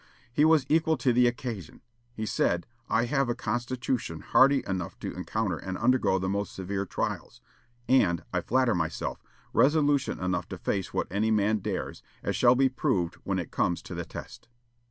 He was equal to the occasion. He said, "I have a constitution hardy enough to encounter and undergo the most severe trials, and, I flatter myself, resolution enough to face what any man dares, as shall be proved when it comes to the test."